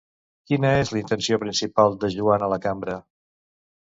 Quina és la intenció principal de Joan a la Cambra?